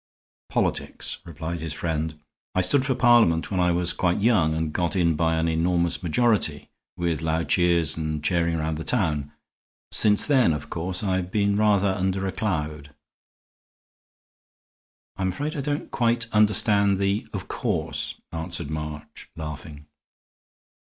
"Politics," replied his friend. "I stood for Parliament when I was quite a young man and got in by an enormous majority, with loud cheers and chairing round the town. Since then, of course, I've been rather under a cloud." "I'm afraid I don't quite understand the 'of course,'" answered March, laughing.